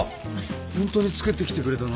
ホントに作ってきてくれたの？